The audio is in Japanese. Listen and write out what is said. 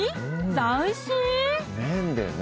斬新！